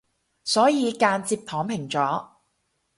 所以間接躺平咗